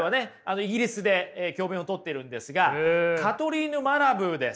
イギリスで教べんをとってるんですがカトリーヌ・マラブーです。